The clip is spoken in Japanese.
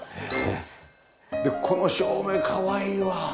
でこの照明かわいいわ。